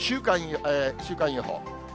週間予報。